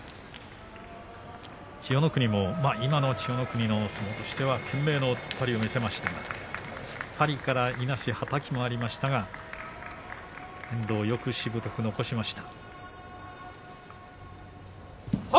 千代の国も、今の相撲千代の国の相撲としては懸命の突っ張りを見せましたが突っ張りからいなし、はたきがありましたが遠藤、しぶとくよく残しました。